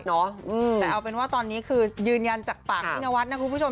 แต่เอาเป็นว่าตอนนี้คือยืนยันจากปากพี่นวัดนะคุณผู้ชม